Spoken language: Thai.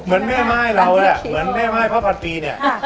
เหมือนแม่ม่ายเราเนี่ยเหมือนแม่ม่ายพระพันปีเนี่ย